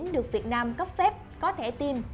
được việt nam cấp phép có thể tiêm